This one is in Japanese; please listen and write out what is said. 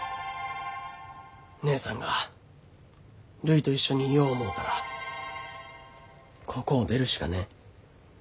義姉さんがるいと一緒にいよう思うたらここを出るしかねえ。